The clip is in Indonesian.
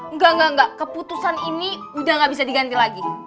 enggak enggak keputusan ini udah gak bisa diganti lagi